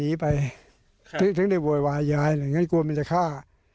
นี่ไปเห็นด้วยโหยวาย่ายอย่างนี้เรากอมมิเจอ้ฆ่า